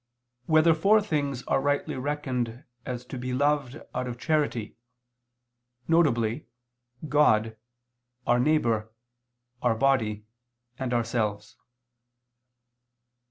12] Whether Four Things Are Rightly Reckoned As to Be Loved Out of Charity, Viz. God, Our Neighbor, Our Body and Ourselves?